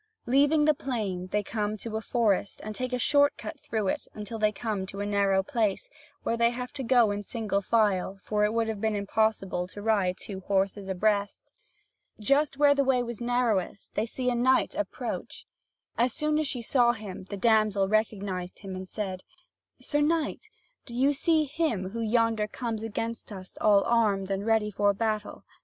Leaving the plain, they come to a forest and take a short cut through it until they come to a narrow place, where they have to go in single file; for it would have been impossible to ride two horses abreast. Just where the way was narrowest, they see a knight approach. As soon as she saw him, the damsel recognised him, and said: "Sir knight, do you see him who yonder comes against us all armed and ready for a battle?